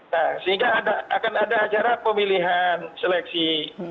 nah sehingga akan ada acara pemilihan seleksi